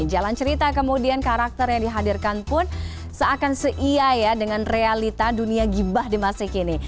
jalan cerita kemudian karakter yang dihadirkan pun seakan seia ya dengan realita dunia gibah di masa kini